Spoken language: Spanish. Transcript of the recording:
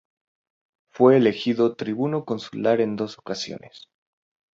Fue elegido tribuno consular en dos ocasiones.